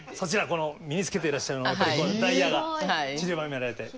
この身につけていらっしゃるのはダイヤがちりばめられて。